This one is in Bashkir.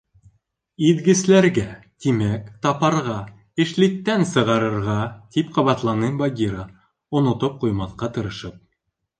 Иҙгесләргә, тимәк, тапарға, эшлектән сығарырға, — тип ҡабатланы Багира, онотоп ҡуймаҫҡа тырышып.